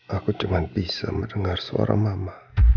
aku cuma bisa mendengar seorang mama